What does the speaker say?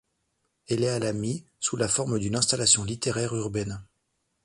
Elalamy, sous la forme d'une installation littéraire urbaine.